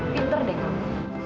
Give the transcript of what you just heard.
pinter deh kamu